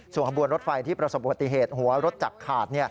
ส่วนขบวนรถไฟที่ประสบอุบัติเหตุหัวรถจักรขาด